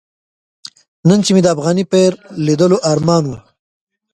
نن چې مې د افغاني پیر لیدلو ارمان و.